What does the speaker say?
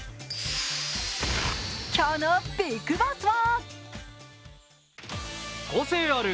今日のビッグボスは？